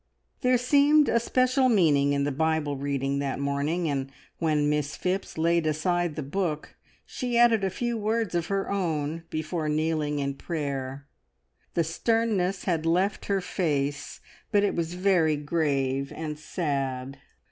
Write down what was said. There seemed a special meaning in the Bible reading that morning, and when Miss Phipps laid aside the book she added a few words of her own before kneeling in prayer. The sternness had left her face, but it was very grave and sad.